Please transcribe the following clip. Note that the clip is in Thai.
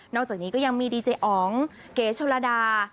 อกจากนี้ก็ยังมีดีเจอ๋องเก๋ชนระดา